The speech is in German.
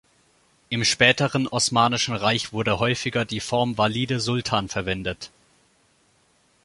Im späteren Osmanischen Reich wurde häufiger die Form Valide Sultan verwendet.